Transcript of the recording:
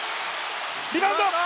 リバウンド。